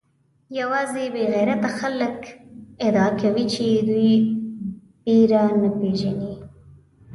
یوازې بې غیرته خلک ادعا کوي چې دوی بېره نه پېژني.